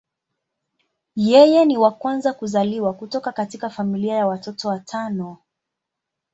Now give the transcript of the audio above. Yeye ni wa kwanza kuzaliwa kutoka katika familia ya watoto watano.